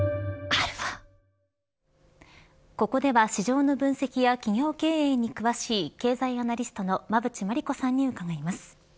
ここでは市場の分析や企業経営に詳しい経済アナリストの馬渕磨理子さんに伺います。